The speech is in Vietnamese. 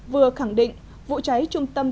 vừa khẳng định vụ cháy trung tâm